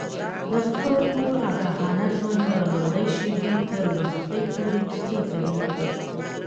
د خپل ټول آګاهانه ژوند له لومړۍ شېبې تر وروستۍ پورې کیسې کوي.